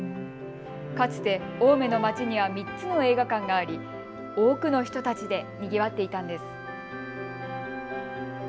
かつて青梅の街には３つの映画館があり多くの人たちでにぎわっていたんです。